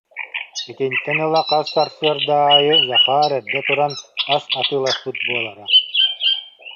Итинтэн ыла хас сарсыарда аайы Захар эрдэ туран ас атыыласпыт буолара